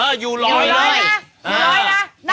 เอออยู่ร้อยนะอยู่ร้อยนะ